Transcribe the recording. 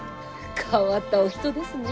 変わったお人ですね。